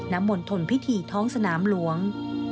น้ำมนต์ธนพิธีท้องสนามหลวง